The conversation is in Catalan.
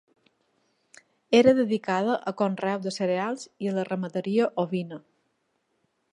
Era dedicada a conreu de cereals i a la ramaderia ovina.